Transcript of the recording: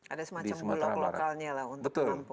ada semacam blok blokalnya untuk kampung